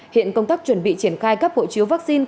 hiện công tác chuẩn bị triển khai cấp hộ chiếu vaccine